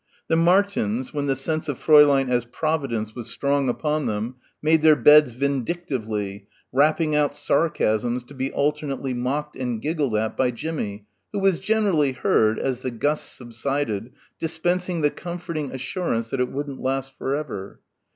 The Martins, when the sense of Fräulein as providence was strong upon them made their beds vindictively, rapping out sarcasms to be alternately mocked and giggled at by Jimmie who was generally heard, as the gusts subsided, dispensing the comforting assurance that it wouldn't last for ever.